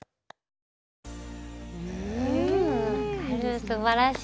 すばらしい。